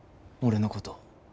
俺のこと。